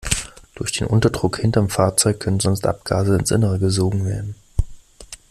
Durch den Unterdruck hinterm Fahrzeug können sonst Abgase ins Innere gesogen werden.